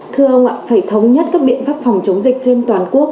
thưa ông ạ phải thống nhất các biện pháp phòng chống dịch trên toàn quốc